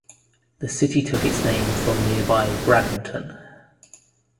The city took its name from nearby Bradenton.